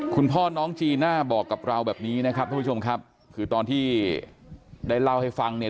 คุณพ่อน้องจีน่าบอกกับเราแบบนี้นะครับทุกผู้ชมครับคือตอนที่ได้เล่าให้ฟังเนี่ย